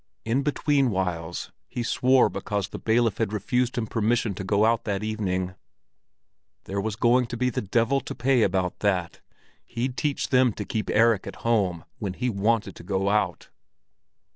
In between whiles he swore because the bailiff had refused him permission to go out that evening; there was going to be the devil to pay about that: he'd teach them to keep Erik at home when he wanted to go out!